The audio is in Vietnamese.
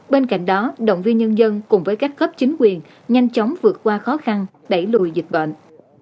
bên cạnh đó động viên nhân dân cùng với các cấp chính quyền nhanh chóng vượt qua khó khăn đẩy lùi dịch bệnh